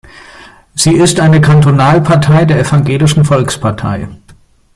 Sie ist eine Kantonalpartei der Evangelischen Volkspartei.